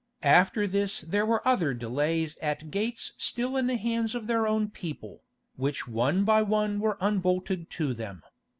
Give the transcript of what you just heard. After this there were other delays at gates still in the hands of their own people, which one by one were unbolted to them.